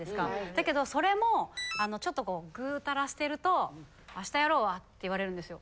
だけどそれもちょっとこうぐうたらしてると。って言われるんですよ